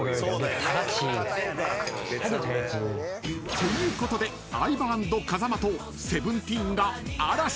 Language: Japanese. ［ということで相葉＆風間とＳＥＶＥＮＴＥＥＮが］